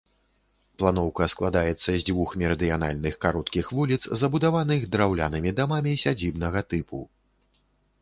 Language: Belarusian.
Планоўка складаецца з дзвюх мерыдыянальных кароткіх вуліц, забудаваных драўлянымі дамамі сядзібнага тыпу.